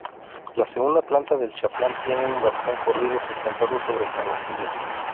La segunda planta del chaflán tiene un balcón corrido sustentado sobre canecillos.